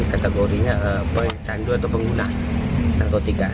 kategorinya pencandu atau pengguna narkotika